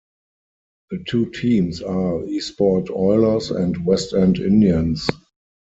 The two teams are Esport Oilers and Westend Indians.